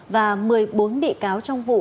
và một mươi bốn bị cáo trong vụ